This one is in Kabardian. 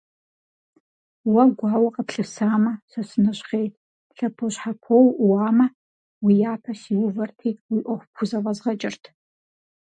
Уэ гуауэ къыплъысамэ, сэ сынэщхъейт, лъэпощхьэпо уӀууамэ, уи япэ сиувэрти, уи Ӏуэху пхузэфӀэзгъэкӀырт.